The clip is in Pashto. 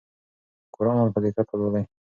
قرآن په دقت ولولئ.